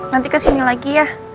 nanti kesini lagi ya